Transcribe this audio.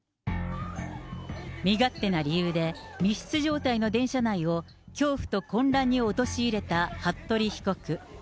身勝手な理由で、密室状態の電車内を恐怖と混乱に陥れた服部被告。